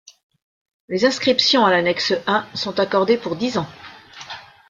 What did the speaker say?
Les inscriptions à l’annexe I sont accordées pour dix ans.